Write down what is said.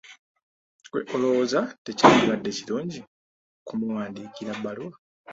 Ggwe olowooza tekyandibadde kirungi kumuwandiikira bbaluwa?